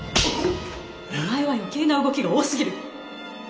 お前は余計な動きが多すぎる！